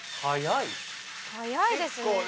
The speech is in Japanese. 早いですね。